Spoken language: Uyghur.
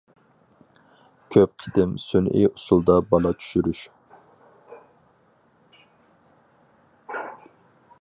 كۆپ قېتىم سۈنئىي ئۇسۇلدا بالا چۈشۈرۈش.